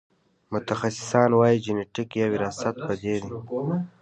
متخصصان وايي جنېتیک یا وراثت په دې